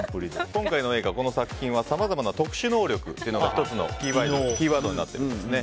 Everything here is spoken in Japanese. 今回の映画、この作品はさまざまな特殊能力というのが１つのキーワードになっているんですね。